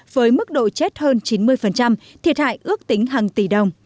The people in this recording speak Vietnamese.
với mức độ chết hơn chín mươi thiệt hại ước tính hàng tỷ đồng